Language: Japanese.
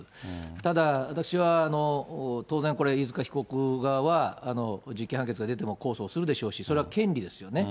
ただ、私は当然これ、飯塚被告側は実刑判決が出ても控訴するでしょうし、それは権利ですよね。